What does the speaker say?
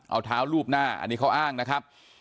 เอาเท้าลูบหน้าอันนี้เขาอ้างนะครับ